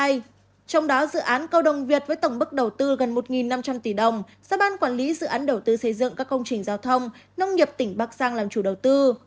trong đó dự án cầu đồng việt với tổng bức đầu tư gần một năm trăm linh tỷ đồng do ban quản lý dự án đầu tư xây dựng các công trình giao thông nông nghiệp tỉnh bắc giang làm chủ đầu tư